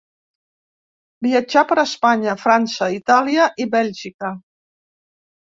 Viatjà per Espanya, França, Itàlia i Bèlgica.